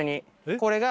これが。